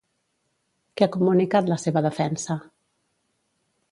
Què ha comunicat la seva defensa?